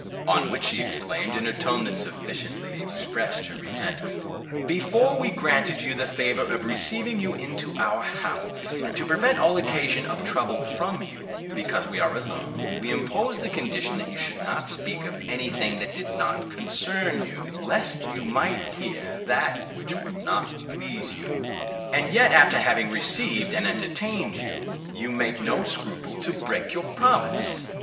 On which she exclaimed, in a tone that sufficiently expressed her resentment, "Before we granted you the favour of receiving you into our house, and to prevent all occasion of trouble from you, because we are alone, we imposed the condition that you should not speak of any thing that did not concern you, lest you might hear that which would not please you; and yet after having received and entertained you, you make no scruple to break your promise.